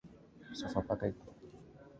sofapaka ikashindwa kutetea ubingwa wake